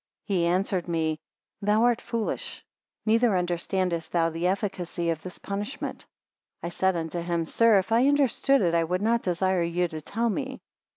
30 He answered me; Thou art foolish, neither understandest thou the efficacy of this punishment. I said unto him; Sir, if I understood it, I would not desire you to tell me.